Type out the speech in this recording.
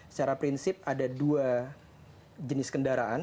secara prinsip ada dua jenis kendaraan